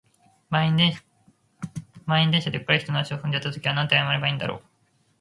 満員電車で、うっかり人の足を踏んじゃった時はなんて謝ればいいんだろう。